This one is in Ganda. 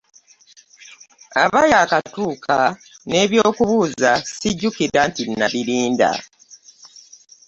Aba yaakatuuka n'ebyokubuuza sijjukira nti nabirinda.